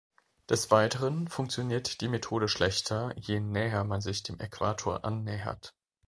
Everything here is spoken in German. Des Weiteren funktioniert die Methode schlechter, je näher man sich dem Äquator annähert.